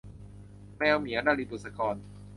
แมวเหมียว - นลิน บุษกร